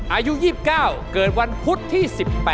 อายุ๒๙เกิดวันพุธที่๑๘